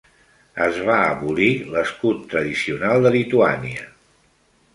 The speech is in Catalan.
Es va abolir l'escut tradicional de Lituània.